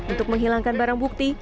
untuk menghilangkan barang bukti